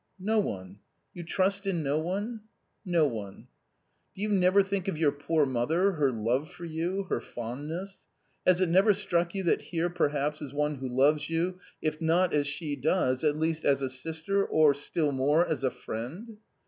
" No one !"" You trust in no one ?" "No one." p 226 A COMMON STORY " Do you never think of your poor mother — her love for you — her fondness? Has it never struck you that here perhaps is one who loves you, if not as she does, at least as a sister or, still more, as a friend?"